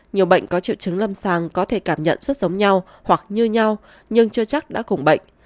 nhiều bệnh có triệu chứng lâm sàng có thể cảm nhận rất giống nhau hoặc như nhau nhưng chưa chắc đã cùng bệnh